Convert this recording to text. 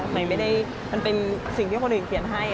ไม่ได้มันเป็นสิ่งที่คนอื่นเขียนให้